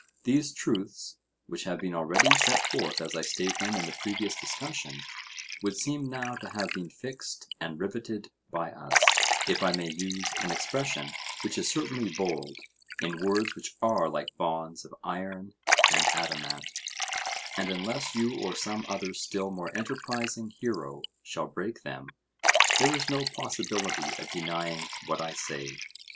These truths, which have been already set forth as I state them in the previous discussion, would seem now to have been fixed and riveted by us, if I may use an expression which is certainly bold, in words which are like bonds of iron and adamant; and unless you or some other still more enterprising hero shall break them, there is no possibility of denying what I say.